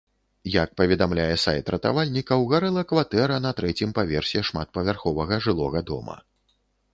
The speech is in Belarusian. Як паведамляе сайт ратавальнікаў, гарэла кватэра на трэцім паверсе шматпавярховага жылога дома.